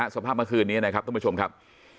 สภาพเมื่อคืนนี้นะครับท่านผู้ชมครับ